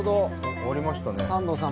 終わりましたね。